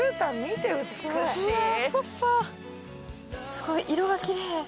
すごい色がきれい。